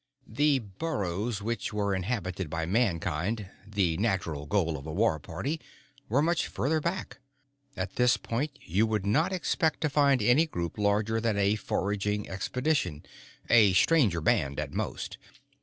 The burrows which were inhabited by Mankind, the natural goal of a war party, were much further back. At this point, you would not expect to find any group larger than a foraging expedition a Stranger band at most.